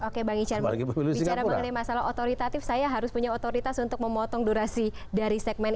oke bang ican bicara mengenai masalah otoritatif saya harus punya otoritas untuk memotong durasi dari segmen